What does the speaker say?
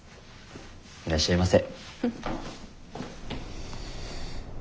いらっしゃいませ。